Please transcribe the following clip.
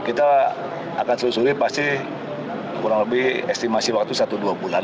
kita akan selusuri pasti kurang lebih estimasi waktu satu dua bulan